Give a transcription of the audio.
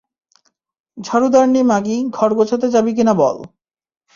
ঝাড়ুদারনি মাগী, ঘর গোছাতে যাবি কি না বল?